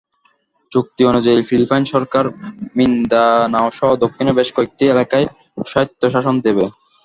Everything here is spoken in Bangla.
চুক্তি অনুযায়ী, ফিলিপাইন সরকার মিন্দানাওসহ দক্ষিণের বেশ কয়েকটি এলাকায় স্বায়ত্তশাসন দেবে।